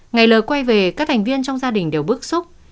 ngày lời quay về các thành viên trong gia đình đều bức xúc